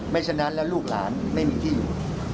ไม่ฉะนั้นลูกหลานไม่มีที่อยู่